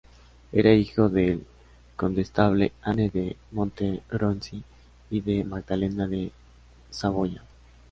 Era hijo del condestable Anne de Montmorency y de Magdalena de Saboya.